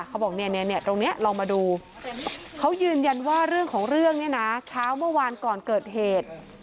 เขาบอกเนี่ยตรงนี้ลองมาดูเขายืนยันว่าเรื่องของเรื่องเนี่ยนะเช้าเมื่อวานก่อนเกิดเหตุ